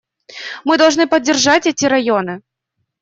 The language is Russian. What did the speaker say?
Мы должны поддержать эти районы.